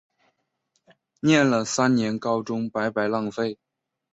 念了三年高中白白浪费